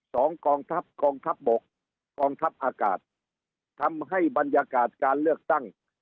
กองทัพกองทัพบกกองทัพอากาศทำให้บรรยากาศการเลือกตั้ง